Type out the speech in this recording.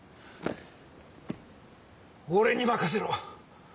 俺に任せろ。